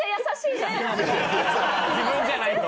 自分じゃないと。